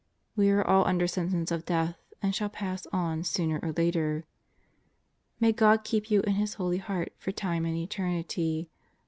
We are all under sentence of death and shall pass on sooner or later. May God keep you in His Holy Heart for Time and Eternity.